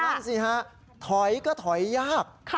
นั่นสิฮะถอยก็ถอยยาก